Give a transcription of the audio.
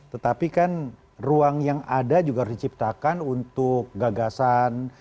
tetapi kan ruang yang ada juga harus diciptakan untuk gagasan